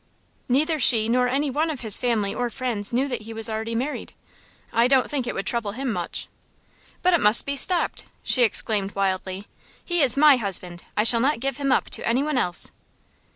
"Neither she nor any one of his family or friends knew that he was already married. I don't think it would trouble him much." "But it must be stopped!" she exclaimed, wildly. "He is my husband. I shall not give him up to any one else."